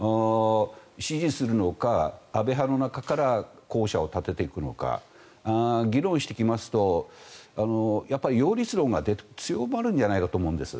支持するのか、安倍派の中から候補者を立てていくのか議論していきますとやっぱり擁立論が強まるんじゃないかと思うんです。